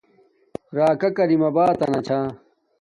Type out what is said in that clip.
راکہ کریم آباتنا چھا